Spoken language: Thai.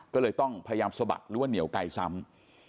ก็เลยต้องพยายามสะบัดหรือว่าเหนียวไกลซ้ำ